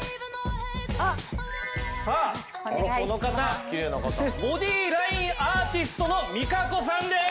さあこの方ボディライン・アーティストのＭｉｃａｃｏさんです。